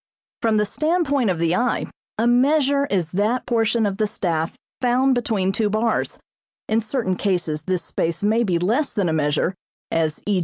From the standpoint of the eye, a measure is that portion of the staff found between two bars, (in certain cases this space may be less than a measure, as _e.